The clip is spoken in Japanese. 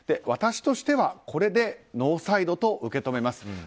私としては、これでノーサイドと受け止めます。